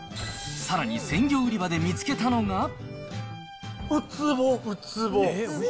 さらに、鮮魚売り場で見つけたのが。